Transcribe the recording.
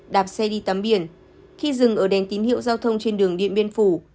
đạp xe đi tắm biển khi dừng ở đèn tín hiệu giao thông trên đường điện biên phủ